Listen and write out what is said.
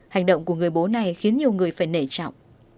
hành động của người bố này khiến nhiều người phải nể trọng